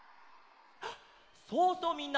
そうそうみんな！